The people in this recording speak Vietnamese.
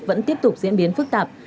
vẫn tiếp tục diễn biến phức tạp